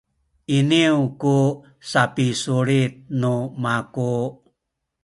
iniyu ku sapisulit nu maku